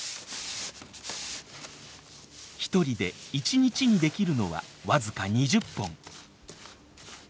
一人で一日にできるのは僅か２０本。